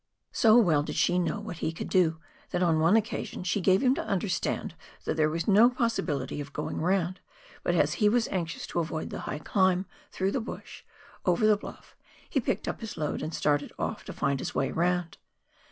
So well did she know what he could do, that on one occasion she gave him to understand that there was no possibility of going round, but as he was anxious to avoid the high climb, through the bush, over the bluff, he picked up his load and started off to find his way round.